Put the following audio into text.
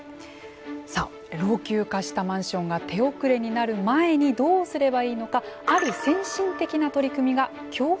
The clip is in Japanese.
さあ老朽化したマンションが手遅れになる前にどうすればいいのかある先進的な取り組みが京都市で行われています。